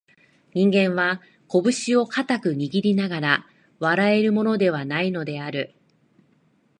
人間は、こぶしを固く握りながら笑えるものでは無いのである